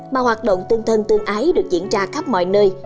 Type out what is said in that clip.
nhưng tương thân tương ái được diễn ra khắp mọi nơi